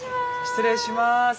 失礼します。